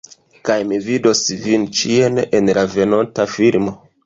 Kaj mi vidos vin ĉijn en la venonta filmo